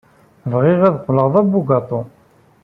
Bɣiɣ ad qqleɣ d abugaṭu.